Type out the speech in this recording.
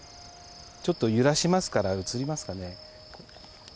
ちょっと揺らしますから、映りますかね。